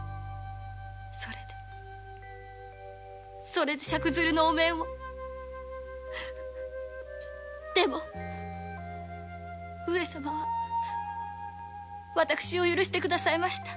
それでそれで赤鶴のお面をでもでも上様は私を許して下さいました。